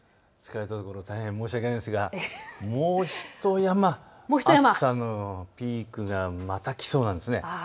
大変申し訳ないですがもうひと山、暑さのピークがまた来そうなんです。